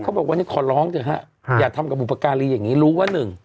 เขาบอกว่าขอร้องเถอะฮะอย่าทำกับบุปกรณีอย่างนี้รู้ว่า๑